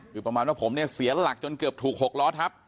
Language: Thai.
คือประมาณว่าผมเนี่ยเสียหลักจนเกือบถูก๖ล้อทับ